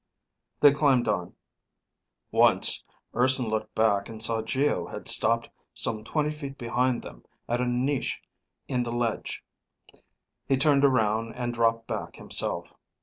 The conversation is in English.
They climbed on. Once Urson looked back and saw Geo had stopped some twenty feet behind them at a niche in the ledge. He turned around and dropped back himself.